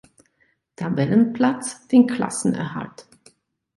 Tabellenplatz den Klassenerhalt.